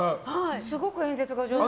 すごく演説が上手。